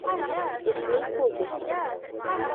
اسمي كوزي.